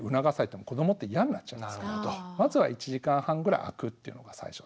まずは１時間半ぐらいあくっていうのが最初大切ですね。